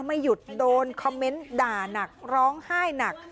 ไม่หยุดโดนคอมเมนต์ด่านักร้องไห้หนัก